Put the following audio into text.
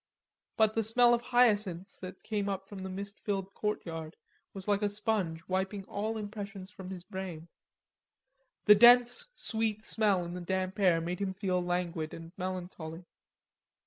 But the smell of hyacinths that came up from the mist filled courtyard was like a sponge wiping all impressions from his brain. The dense sweet smell in the damp air made him feel languid and melancholy.